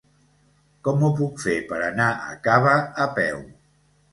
Com ho puc fer per anar a Cava a peu?